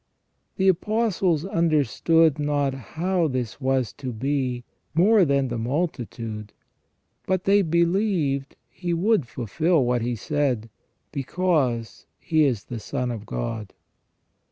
The Apostles under stood not how this was to be more than the multitude, but they believed He would fulfil what He said, because He is the Son of God.